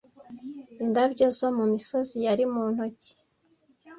Indabyo zo mu misozi yari mu ntoki,